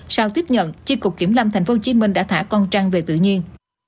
sau tiếp nhận chiếc cục kiểm lâm thành phố hồ chí minh đã thả con trăng về tự nhiên